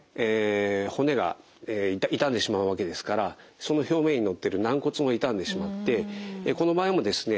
骨が傷んでしまうわけですからその表面にのっている軟骨も傷んでしまってこの場合もですね